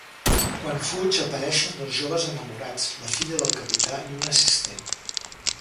Quan fuig apareixen dos joves enamorats: la filla del capità i un assistent.